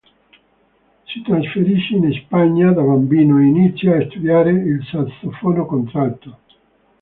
Si trasferisce in Spagna da bambino e inizia a studiare il sassofono contralto.